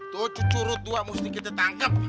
tuh cucu rutua mesti kita tangkep